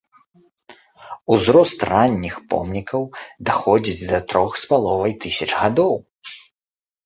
Узрост ранніх помнікаў даходзіць да трох с паловай тысяч гадоў.